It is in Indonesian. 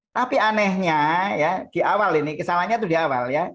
tapi anehnya kesalahannya itu di awal